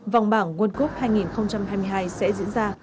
vòng bảng world cup hai nghìn hai mươi hai sẽ diễn ra